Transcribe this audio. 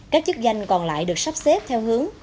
các chức danh còn lại được sắp xếp theo hướng